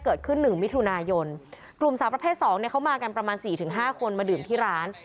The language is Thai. เกิดขึ้น๑มิถุนายนกลุ่มสาวประเภทสองเนี่ยเขามากันประมาณ๔๕คนมาดื่มที่ร้าน